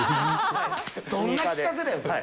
どんな企画だよ、それ。